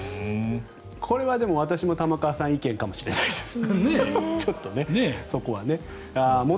これは私も玉川さん意見かもしれないです。